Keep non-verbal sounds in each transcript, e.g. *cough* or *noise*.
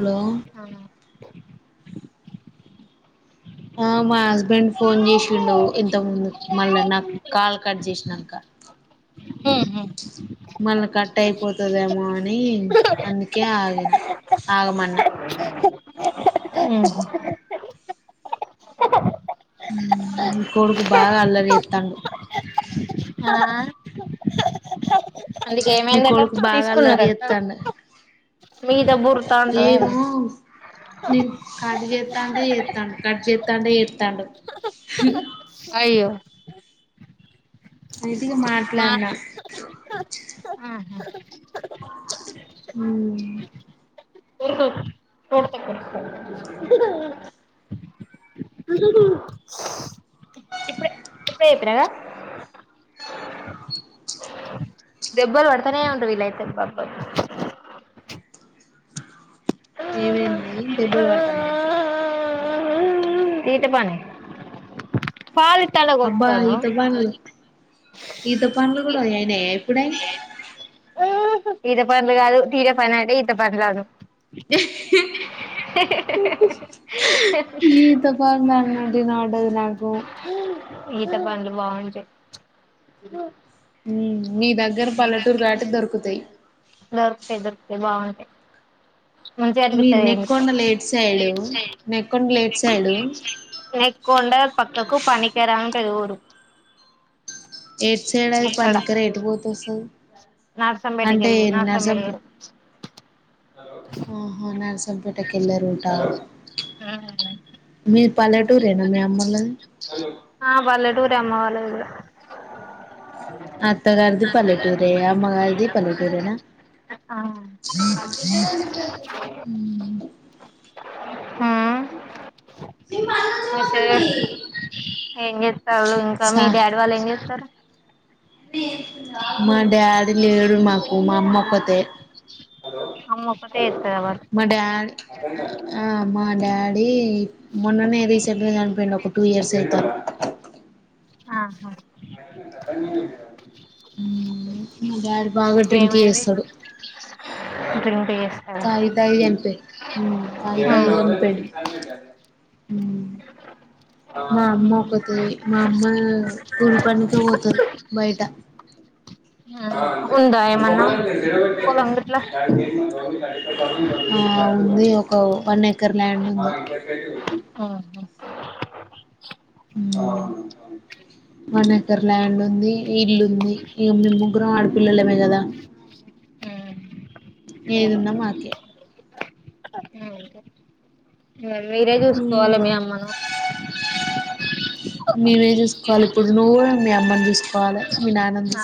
Hello ఆ ఆ మా హస్బెం హస్బెండ్ ఫోన్ చేసిండు. ఇంత ముందు మళ్ళా నాకు కాల్ కట్ చేసినాక్క, మళ్ళా కట్ అయిపోతుందేమో అని అందుకే ఆగినా ఆగమన్న హ్మ్ ఈ కొడుకు బాగా అల్లరి చేత్తాండు. ఆ అందుకే నీ ఏమైందట కొడుకు బాగా అల్లరి తీసుకున్నారట చేత్తండు మీదా బోర్రుతాండు ఆయన నేన్ కాట్ చేేస్తాంటే చెతాండు, కట్ చెస్తాంటే చేేతాండు. అయ్యో అయితే ఇగా మా మాట్లాడినా హ్మ్ కొడుతా ఇప్పుడే ఇప్పుడే చెప్పినాగా దెబ్బలుపడతనేే ఉంటాయ్. వీళ్లయితే అబ్బా అబ్బా ఏమైంది దెబ్బలు పడుతున్నాయా. తీట పని పాలు అబ్బా తలగోపోస్తాండు. ఈత *unintelligible* ఎప్పుడైయ్ ఈత పండ్లు కాదు. తీటా పని అంటే ఈత పండ్లు అను ఈత పండ్ల అన్న నాకు వినపడ్డది నాకు. ఈత పండ్లు బాగుంటాయ్. ప్చ్ మీ దగ్గర పల్లెటూరు కాబట్టి దొరుకుతాయి. దొరుకుతాయి, దొరుకుతాయి బాగుంటాయి. మంచిగా మీ అనిపిత్తది ఎందుకో నెక్కొండ లో ఎటు సైడ్ నెక్కుండా లేట్ ఎట్ సైడు నెక్కొండ పక్కకు పనికిరా ఉంటది ఊరు. ఎట్ సైడ్ అది అక్కడ పనికరా ఏటు పోతే వస్తది. అంటే నర్సంపేటకెళ్ళు నర్సంపేట నర్సంపే ఆహా నర్సంపేటకి వెళ్ళే రుటా మీరు పల్లెటూరేనా మీ అమ్మోళ్ళది. ఆ పల్లెటూరే అమ్మ వాళ్ళది కూడా. అత్తగారిది పల్లెటూరే అమ్మగారిది పల్లెటూరేనా హ్మ్ ఉం మెసేజ్ ఏం చెత్తళ్ళు ఇంకా మీ డాడీ వాళ్ళు ఏం చె స్తరు మా డాడీ లేడు మాకు మా అమ్మ ఒకతీ తే అమ్మ ఒక్కతే చేత్తదా వర్క్ మా డాడ్ ఆ మా డా డాడీ మొన్ననే రీసెంట్ గా చనిపోయిండు. ఒక టూ ఇయర్స్ *unintelligible* ఆహా. మా డాడీ బాగా డ్రింక్ ఏమైంది. చేస్తాడు డ్రింక్ చే, తాగి తాగి చనిపోయిండు. తాగి తాగి హ్మ్ చనిపోయిండు. మా అమ్మ ఒకతే మా అమ్మా కూలి పనికే పోతాది. బయట *unintelligible* ఆ హ్మ్ ఉందా ఏమన్నా పొలం గిట్లా ఉంది ఒక వన్ ఎకర్ ల్యాండ్ ఉంది వన్ ఎకర్ ల్యాండ్ ఉంది ఇల్లు ఉంది ఇగ మేం ముగ్గురం ఆడ పిల్లలమే కదా ఏదున్నా మాకే ఊ ఇగా మీరే చూసుకోవాలి మీ అమ్మను మేమే చూసుకోవాలి ఇప్పుడు నువ్వు మీ అమ్మని చూసుకోవాలే ఆ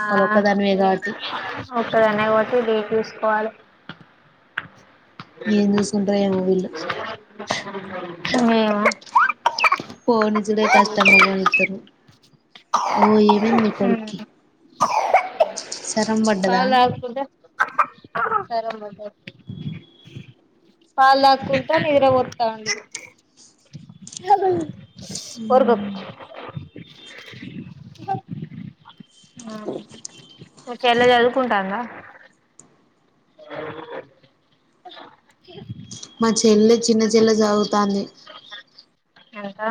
ఒక్క దాన్నే పోతే వీలు చూసుకొని *unintelligible* ఎం సూసుకుంటారో ఏమో ందు ఉం పోనిచ్చుడే కష్టంగా పోనిత్తరు ఓ ఏమైంది ని కొడుక్కి సరం పడ్డదా పాలు తాగుతుంటే సరము పడ్డది. పాల్ తాగుకుంట మీద పొత్తాండు. స్ కొరకు ఆ చెల్లె చదువుకుంటాందా. మా చెల్లె చిన్న చెల్లె సదువుతాంది. ఇంకా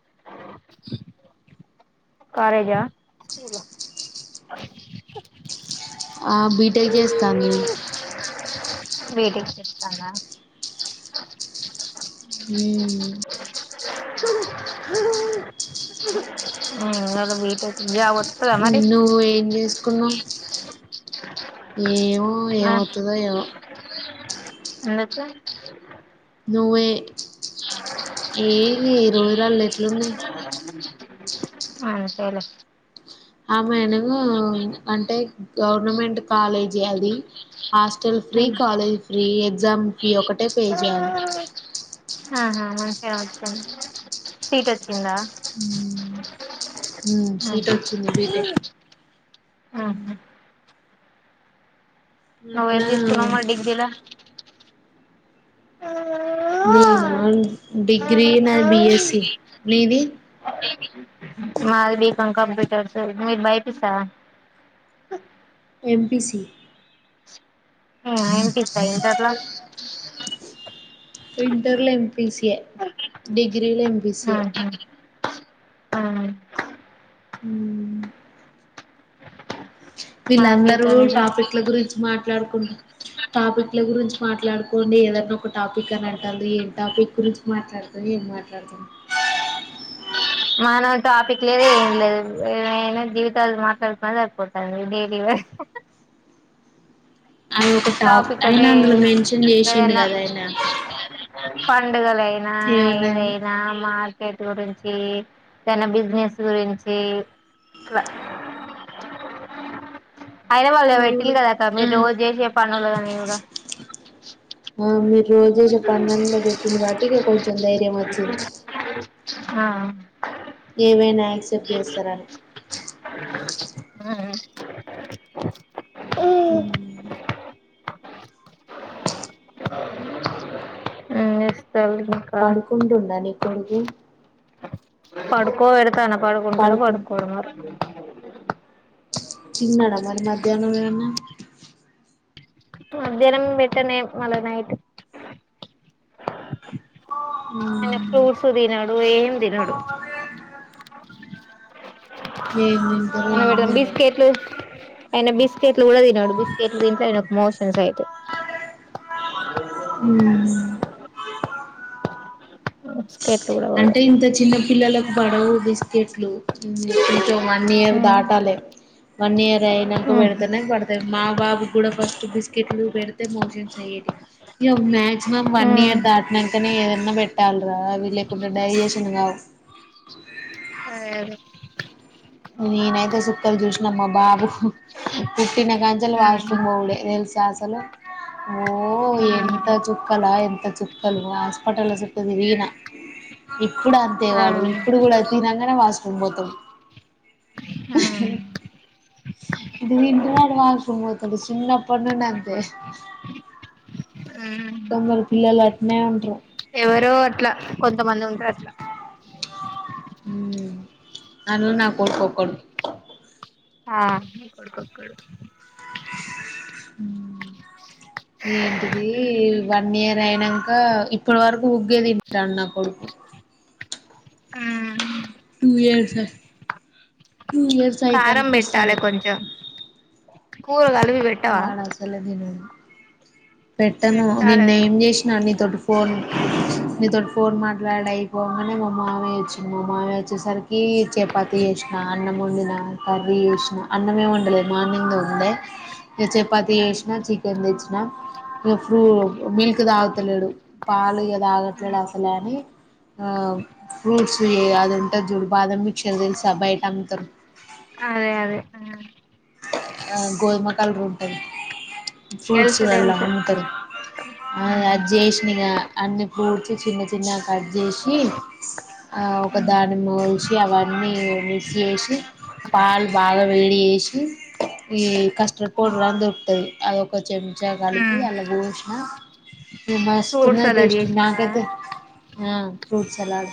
*inaudible* కాలేజా, స్కూలా. ఆ బీటెక్ చేస్తాంది. బీటెక్ చేస్తాందా. హ్మ్ *inaudible* ఊ అది బీటెక్ జాబ్ వత్ నువ్వు ఏం చేసుకున్నవు ఏమో ఏమవుతదో ఏమో. వెళ్ళోచ్చా. నువ్వె రోజులల్ల ఎట్లున్నాయి *inaudible* అంతేలే ఆమెను అడుగు అంటే గవర్నమెంట్ కాలేజీ అది. హాస్టల్ ఫ్రీ, కాలేజ్ ఫ్రీ ఎ ఎగ్జామ్ ఫీ ఒకటే పే చేయాలే. ఆహా ఒకే ఒకే సీట్ ఒచ్చిందా. హ్మ్ ఉమ్ సీట్ ఆహా ఒచ్చింది బీటెక్. హ్మ్ ఆహా నువ్వు ఏం అట్లా తీసుకున్నవు మరి డిగ్రీలా. నేనా డిగ్రీ నాది బీఎస్సి. నీది? నాది బీకాం కంప్యూటర్స్. మీరు బైపీసా. ఎం. పీ. సి ఆహా ఏం. పీ. సా ఇంటర్లా. ఇంటర్లో ఎం. పీ. సి ఏ, డిగ్రీలో ఎం. పీ. సి ఏ ఆ ఉమ్ మాది వీళ్ళందరూ బీకాం టాపిక్ల గురించి మాట్లాడుకుంటా టాపిక్ ల గురించి మాట్లాడుకోండి ఏదన్న ఒకట్ టాపిక్ అని అంటాళ్ళు ఏం టాపిక్ గురించి మాట్లాడుతాం ఏం మాట్లాడుతాం మనం టాపిక్ లేదూ ఏం లేదు ఏమైన జీవితాలు మాట్లాడుకునేదె సరిపోతాది డైలీ అది ఒక టాప్ టాపిక్ అదే అయినా అందులో మెన్షన్ చేసిండు ఏదన్న కదా ఆయన పన్ పండుగలయినా ఏమన్నా ఏదైనా మాట్ కెట్ గురించీ తన బిజినెస్ గురించీ ఇట్ల అయిన వాళ్ళు అవును పెట్టిన్లు కదా అక్క మీరు రోజు చేసే పనులదనీ కూడ మీరు రోజు చేసే పనులలో పెట్టింది కాబట్టి ఇక కొంచెం ధైర్యం వచ్చింది ఆ ఏవైనా యాక్సెప్ట్ చేస్తారని ఉమ్ ఉమ్ ఏం చెస్ పడుకుంటుండ నీ కొడుకు పడుకో పెడతానం పడుకుంటడ పడుకు పడుకోడ మరి చిన్నడ మరి మధ్యాహ్నం ఏన్నా మధ్యాహ్నం బెట్టనేం మళ్ళ నయిట్ ఊమ్ సుదినడు ఏందినడు ఏం తింటారు ఏం మేడం తినరు బిస్కెట్లు ఐన బిస్కెట్లు కూడ తినడు బిస్కెట్లు తింటే ఐనక్ మోషన్స్ఐతయ్ ఊహ్మ్ బిస్కెట్లు కూడా వాడు అంటే ఇంత చిన్న పిల్లలకు పడవు బిస్కెట్లు ఉమ్ తింటా వన్ ఇయర్ ఉమ్ దాటాలి వన్ ఇయర్ అయినంక పెడితేనె పడతది మా బాబు కూడా ఫస్ట్ బిస్కెట్లు పెడితే మోషన్స్ అయ్యేటివి ఇగ మాక్సిమం వన్ ఇయర్ ఉమ్ దాటినంకనే ఏదన్న బెట్ తండ్రా వీళ్ళే తొందర డైజేషన్ గావు అ అదే నేనైతే సుక్కలు జూష్ నమ్ మా బాబు ఉహ్ పుట్టిన కాంచేలి ఉమ్ వాష్రూమ్ బోవుడే దెల్స్ ద్యాసలో ఓ ఎంత ఉమ్ చుక్కలా ఎంత చుక్కలు హాస్పిటల్ల సుట్టు తిరిగిన ఇ ఇప్పుడు అంతేవాడు ఇప్పుడు ఆ కూడా తినంగనే వాష్ కుమ్మతం ఆ ఇటు తింటడు అటు వాష్ రూమ్ బోతడు చిన్నపడినుండి అంతె ఆ కొందరు పిల్లలు అట్నే ఉంట్రూ ఎవరో అట్లా కొంతమంది ఉంటరు అట్ల ఊమ్ అందులో నా కోడ్కోక్కడు ఆ నీ కొడుకొక్కడు ఉమ్ ఏంటిది వన్ ఇయర్ అయినంక ఇప్పటి వరకు ఉగ్గే తింటండు నా కొడుకు టూ ఇయర్స్ ఆ టూ ఇయర్స్ కారం అయితానికి ఒస్తనయ్ కూరగల్ప్ వాడసలేదినడు అ స పెట్టను నిన్న పెట్టాలి ఏం జేష్ణా ని తొటి ఫోన్ నీతోటి ఫోన్ మాట్లాడి అయిపోంగనే మా మామయ్య ఒచ్చిం మా మామయ్య వచ్చేసరికి చపాతి యెష్నా అన్నం ఒండిన కర్రీ యేష్నా అన్నమే వండలే మార్నింగ్దే ఉండే ఇగ చపాతి యెష్నా చికెన్ తెచ్చిన ఇగ ఫ్రూ మిల్క్ తాగతలేడు పాలు ఇ తాగట్లేడు అసలు అని ఆ ఫ్రూట్స్ అది ఉంటు జూడు బాదం మిక్చర్ తెలుసా బయట అమ్ముతరు అదే అదే ఆ గోదుమకాలడ్రుంటంది తెలుసు ఫ్రూట్స్లాల్ల తెలుసు అమ్ముతరు అజేశ్నిగా అన్నీ పూడ్చి చిన్న చిన్నగా కట్ జేసి ఆ ఒక దానిమో షి అవన్నీ మిక్స్ యేషి పాలు బాగా వేడి యేషి ఈ కస్టర్డ్ పౌడర్ అన్ దొరుకుతది అదో ఒక చెంచా గలిపి అల ఓష్ణ ఇగ ఫ్రూట్ మస్తున్నది సలాడ్ టేస్ట్ చేసినావా నాకైతే ఆ ఫ్రూట్ సలాడ్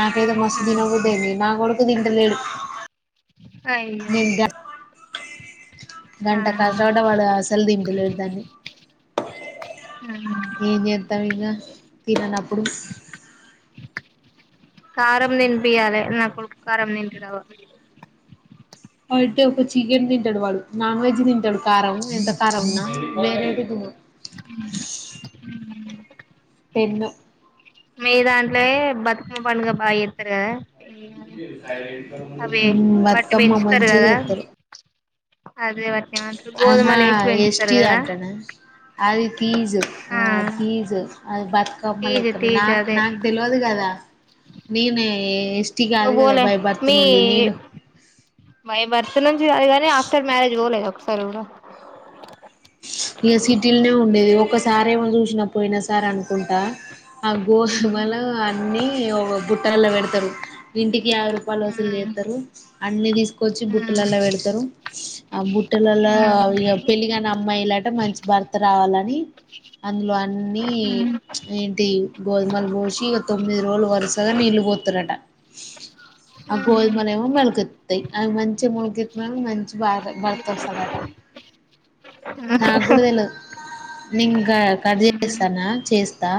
నాకైతే మస్తు తినబుది ఐంది నా గొడు కుదింటలేడు అయ్యో గంట కష్ట వడ్డ వాడు అసలు దింటలేడు దన్ని ఆ తమిగా తిననప్పుడు కారం నింపియాలె నా కొడుకు కారం నింపి రావా ఐతే ఒక చికెన్ తింటడు వాడు నాన్ వెజ్ తింటాడు కారం ఎంత కారం ఉన్నా నేనయితే తిన పెన్ మీ దాంట్లోయే బతుకమ్మ పండుగ బాగా చేస్తారు కదా అవి మ్ వాటిని బతుకమ్మ పెంచుతారు మంచిగా కదా చెస్తారు. అదే ఏమంటారు ఆహా గోధుమలు వేసి పెంచుతారు ఎస్టీ కదా అంటనా అది ఫీజ్ ఆ ఫీజ్ అది బతుకమ్మ తీజ లేక్క తీజ నాక్ అదే నాక్ తెల్వదు కదా నేను ఎస్టి నువ్వు కాదు కదా పోలే బై బర్త్ మీ నుండి నేను మై భర్త్ నుంచి కాదు కాని ఆఫ్టర్ మ్యారేజ్ *inaudible* ఇగ సిటీల్నే ఉండేది. ఒక సారేమో చూసినా పోయిన సార్ అనుకుంటా ఆ గోధుమల అన్ని ఒక బుట్టలలో పెడతరు. ఇంటికి ఆరు రూపాలు వసలు ఉమ్ చేస్తారు. అన్ని తీసుకొచ్చి ఉమ్ బుట్టలలో పెడతరు. ఆ బుట్టలల్ల ఉమ్ ఇగ పెళ్ళిగాని అమ్మాయి ఇ మంచి భర్త రావాలని అందులో అన్నీ ఉమ్ ఏంటి గోధుమలు పోసి ఇగ తొమ్మిది రోజులు వరుసగా నీళ్ళు పొత్తరట ఆ ఉహు గోధుమలు ఏమో మొలకెత్తుతయి. అవి మంచిగా మొలకొత్తినాకా మంచి బా భర్త వస్తాడట. నాకు గుడా తెల్వదు నేన్ కర్ చేస్తానా చేస్తా